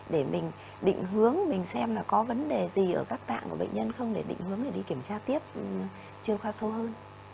để mình định hướng mình xem là có vấn đề gì ở các tạng của bệnh nhân không để định hướng để đi kiểm tra tiếp chuyên khoa sâu hơn